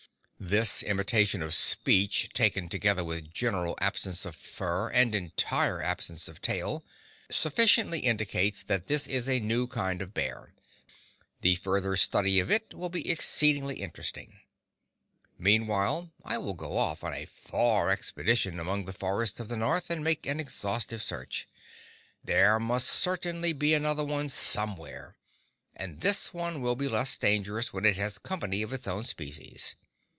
This imitation of speech, taken together with general absence of fur and entire absence of tail, sufficiently indicates that this is a new kind of bear. The further study of it will be exceedingly interesting. Meantime I will go off on a far expedition among the forests of the North and make an exhaustive search. There must certainly be another one somewhere, and this one will be less dangerous when it has company of its own species.